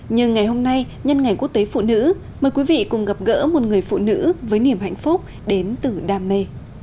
nhưng ngày hôm nay nhân ngày quốc tế phụ nữ mời quý vị cùng gặp gỡ một người phụ nữ với niềm hạnh phúc đến từ đam mê